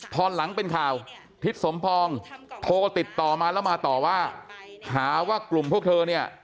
พอหลังเป็นข่าวทิศสมปองโทรติดต่อมาแล้วมาต่อว่าหาว่ากลุ่มพวกเธอเนี่ย